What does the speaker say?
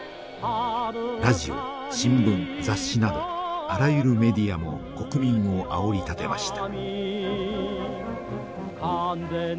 ラジオ新聞雑誌などあらゆるメディアも国民をあおりたてました。